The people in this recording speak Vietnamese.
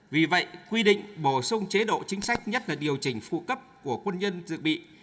vì vậy quy định bổ sung chế độ chính sách nhất là điều chỉnh phụ cấp của quân nhân dự bị